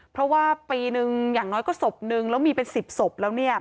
เพราะว่าปีนึงอย่างน้อยก็ศพนึงแล้วมีเป็น๑๐ศพแล้วเนี่ย